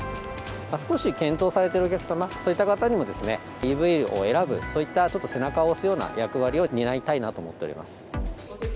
少し検討されているお客様、そういった方にもＥＶを選ぶ、そういったちょっと背中を押すような役割を担いたいなと思っております。